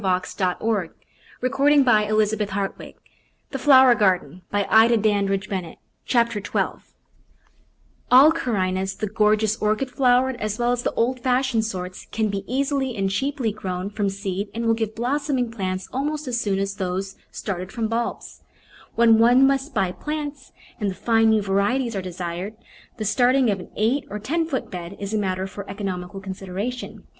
Digitized by Google Chapter TWELVE Ornamental Jfcltage plants from &ert Canna (Indian Shot) ALL Carinas — the gorgeous orchid flow ered, as well as the old fashioned sorts — can be easily and cheaply grown from seed and will give blossoming plants almost as soon as those started from bulbs. When one must buy plants and the fine new varieties are desired, the starting of an eight or ten foot bed is a matter for economical consideration.